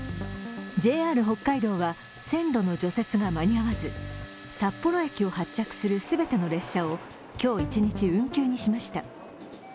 ＪＲ北海道は線路の除雪が間に合わず札幌駅を発着する全ての列車を今日一日、運休にしました。